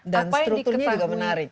dan strukturnya juga menarik ya